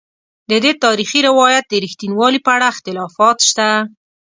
ددې تاریخي روایت د رښتینوالي په اړه اختلافات شته.